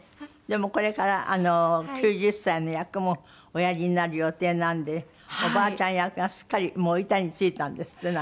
でもこれから９０歳の役もおやりになる予定なんでおばあちゃん役がすっかりもう板についたんですって？